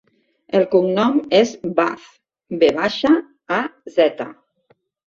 El cognom és Vaz: ve baixa, a, zeta.